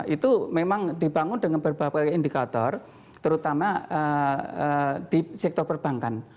itu memang dibangun dengan berbagai indikator terutama di sektor perbankan